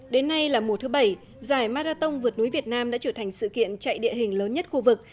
đến nay là mùa thứ bảy giải marathon vượt núi việt nam đã trở thành sự kiện chạy địa hình lớn nhất khu vực